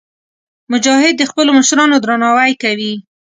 مجاهد د خپلو مشرانو درناوی کوي.